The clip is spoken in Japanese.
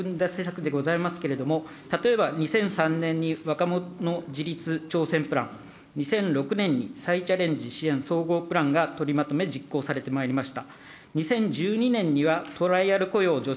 これまで取り組んだ施策でございますけれども、例えば２００３年に若者自立挑戦プラン、２００６年に再チャレンジ支援総合プランが取りまとめ、実行されてまいりました。